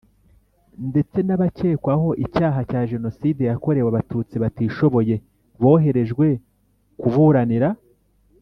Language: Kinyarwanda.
ndetse n abakekwaho icyaha cya Jenoside yakorewe Abatutsi batishoboye boherejwe kuburanira